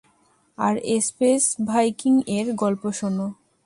আর space ভাইকিংয়ের গল্প শোনো।